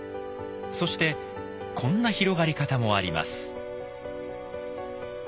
そしてこんな広がり方もあります。